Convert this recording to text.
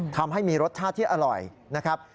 ทำให้มีรสชาติที่อร่อยนะครับ